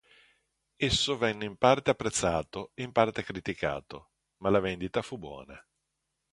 Esso venne in parte apprezzato e in parte criticato ma la vendita fu buona.